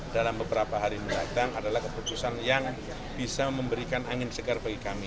dalam beberapa hari mendatang adalah keputusan yang bisa memberikan angin segar bagi kami